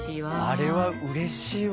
あれはうれしいわ。